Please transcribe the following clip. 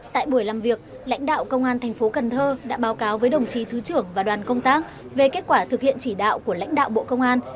tại buổi làm việc lãnh đạo công an thành phố cần thơ đã báo cáo với đồng chí thứ trưởng và đoàn công tác về kết quả thực hiện chỉ đạo của lãnh đạo bộ công an